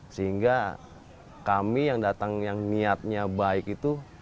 sehingga kami yang datang yang niatnya baik itu